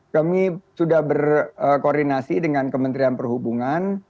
kami sudah berkoordinasi dengan kementerian perhubungan